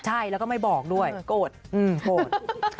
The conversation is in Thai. ใช่แล้วก็ไม่บอกด้วยโกรธโกรธ